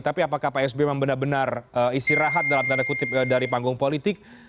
tapi apakah pak sby memang benar benar istirahat dalam tanda kutip dari panggung politik